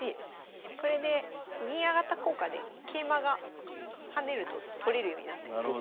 これで銀上がった効果で桂馬が跳ねると取れるようになってますね。